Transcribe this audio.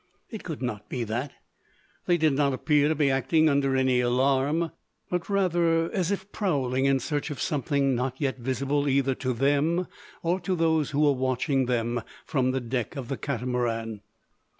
It could not be that. They did not appear to be acting under any alarm; but rather as if prowling in search of something not yet visible either to them or to those who were watching them from the deck of the Catamaran.